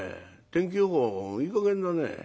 天気予報いいかげんだね。